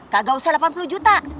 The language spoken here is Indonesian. kagak usia delapan puluh juta